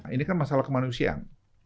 ini kan masalah kemanusiaan